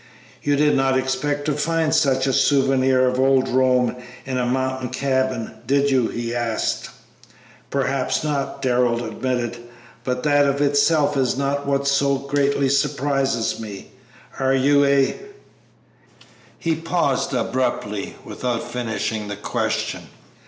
"You did not expect to find such a souvenir of old Rome in a mountain cabin, did you?" he asked. "Perhaps not," Darrell admitted; "but that of itself is not what so greatly surprises me. Are you a " He paused abruptly, without finishing the question.